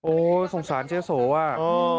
โอ๊ยสงสารเจ๊โสร้ว่ะอืม